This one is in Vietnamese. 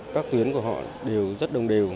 các tuyến của họ đều rất đồng đều